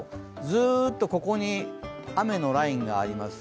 ずっと、ここに雨のラインがあります。